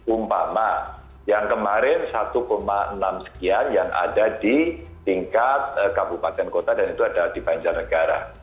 umpama yang kemarin satu enam sekian yang ada di tingkat kabupaten kota dan itu ada di banjarnegara